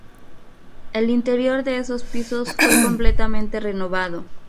El interior de esos pisos fue completamente renovado.